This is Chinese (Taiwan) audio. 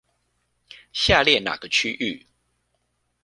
下列哪個區域